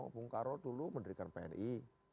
bung karno dulu mendirikan pni